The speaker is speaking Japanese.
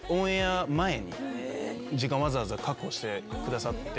時間をわざわざ確保してくださって。